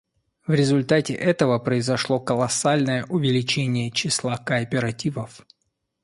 В результате этого произошло колоссальное увеличение числа кооперативов.